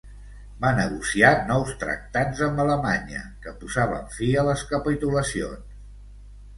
Va negociar nous tractats amb Alemanya que posaven fi a les capitulacions.